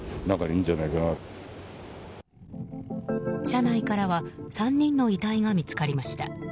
車内からは３人の遺体が見つかりました。